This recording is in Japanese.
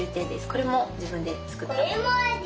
これも自分で作った。